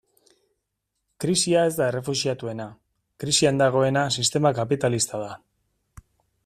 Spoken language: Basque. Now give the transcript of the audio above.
Krisia ez da errefuxiatuena, krisian dagoena sistema kapitalista da.